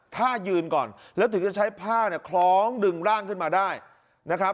ท่ายืนก่อนแล้วถึงจะใช้ผ้าเนี่ยคล้องดึงร่างขึ้นมาได้นะครับ